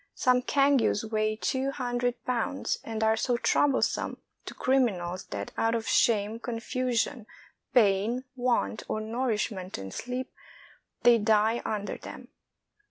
Some cangues weigh two hundred pounds, and are so troublesome to criminals that out of shame, confusion, pain, want of nourishment and sleep, they die under them.